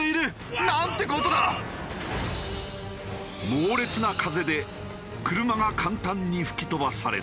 猛烈な風で車が簡単に吹き飛ばされた。